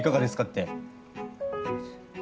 って。